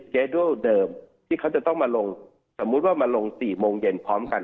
เครื่องบินเครื่องบินเดิม